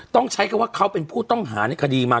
ต้องใช้คำว่าเขาเป็นผู้ต้องหาในคดีมา